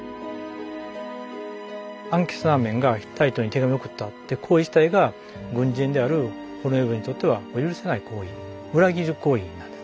アンケセナーメンがヒッタイトに手紙を送ったって行為自体が軍人であるホルエムヘブにとっては許せない行為裏切り行為なんです